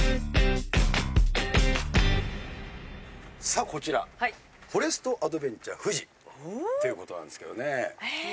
⁉さぁこちらフォレストアドベンチャー・フジということなんですけどね。